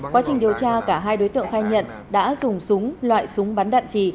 quá trình điều tra cả hai đối tượng khai nhận đã dùng súng loại súng bắn đạn trì